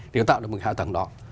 để tạo được một cái hạ tầng đó